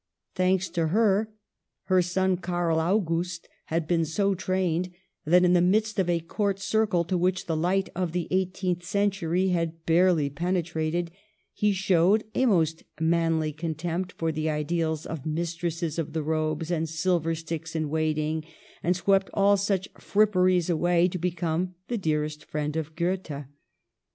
Thanks to her, her son Karl August had been so trained, that, in the midst of a court circle to which the light of the eighteenth century had barely penetrated, he showed a most manly con tempt for the ideals of mistresses of the robes and silver sticks in waiting, and swept all such frip peries away to become the dearest friend of Goethe.